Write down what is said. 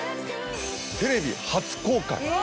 テレビ初公開！